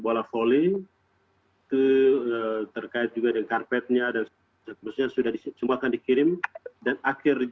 bila volley ke terkait juga dengan karpetnya dan seterusnya sudah disimpan dikirim dan akhir